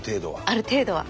ある程度は。